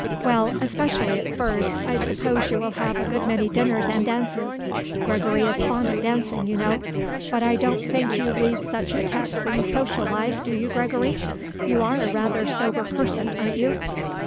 "Well, especially at first, I suppose you will have a good many dinners and dances; Gregory is fond of dancing, you know. But I don't think you lead such a taxing social life, do you, Gregory? You are a rather sober person, aren't you?"